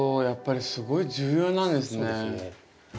やっぱりすごい重要なんですね。